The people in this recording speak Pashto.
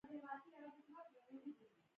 آیا غره ختنه د رخصتیو تفریح نه ده؟